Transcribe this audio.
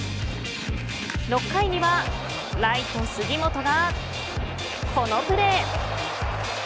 ６回にはライト杉本がこのプレー。